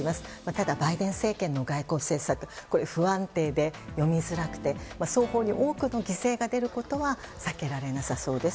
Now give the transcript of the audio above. ただ、バイデン政権の外交政策は不安定で、読みづらくて双方に多くの犠牲が出ることは避けられなさそうです。